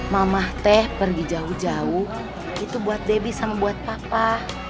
mamah teh pergi jauh jauh itu buat debbie sama buat papa